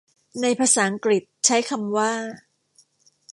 ในภาษาอังกฤษใช้คำว่า